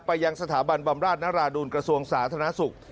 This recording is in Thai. ยังสถาบันบำราชนราดูลกระทรวงสาธารณสุข